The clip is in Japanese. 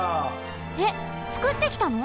えっつくってきたの？